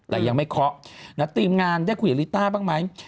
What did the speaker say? แต่ยังไม่เคาะทีมงานได้คุยกับลิต้าบ้างไหม